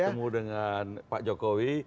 ketemu dengan pak jokowi